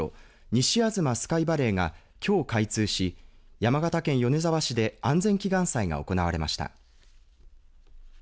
西吾妻スカイバレーがきょう開通し山田県米沢市で安全祈願祭が行われました。